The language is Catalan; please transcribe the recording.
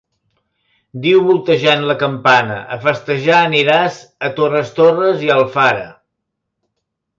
Diu voltejant la campana: a festejar aniràs a Torres Torres i a Alfara.